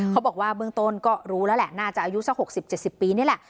เขาบอกว่าเบื้องต้นก็รู้แล้วแหละน่าจะอายุสัก๖๐๗๐ปีนี่แหละ